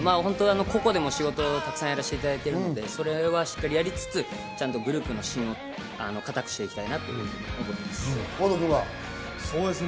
個々でも仕事たくさんやらせていただいてるのでしっかりやりつつ、グループの芯を固くしていきたいなと思っています。